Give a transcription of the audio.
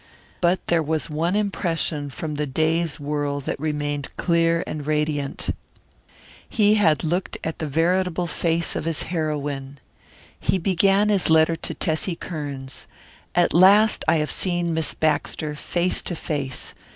But there was one impression from the day's whirl that remained clear and radiant: He had looked at the veritable face of his heroine. He began his letter to Tessie Kearns. "At last I have seen Miss Baxter face to face.